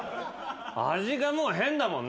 味がもう変だもんね。